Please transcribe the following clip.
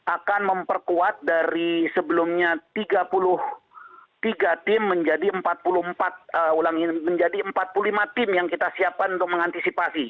akan memperkuat dari sebelumnya tiga puluh tiga tim menjadi empat puluh lima tim yang kita siapkan untuk mengantisipasi